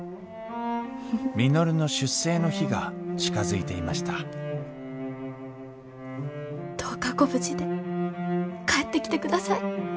稔の出征の日が近づいていましたどうかご無事で帰ってきてください。